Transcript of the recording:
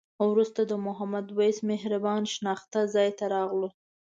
وروسته د محمد وېس مهربان شناخته ځای ته راغلو.